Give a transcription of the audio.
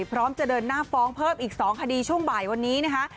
พร้อมจะเดินหน้าฟ้องเพิ่มอีก๒คดีช่วงบ่ายวันนี้นะคะ